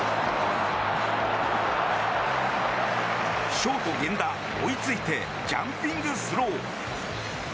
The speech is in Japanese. ショート、源田追いついてジャンピングスロー。